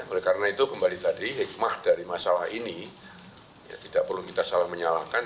oleh karena itu kembali tadi hikmah dari masalah ini tidak perlu kita salah menyalahkan